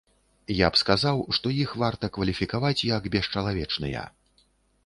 Я б сказаў, што іх варта кваліфікаваць як бесчалавечныя.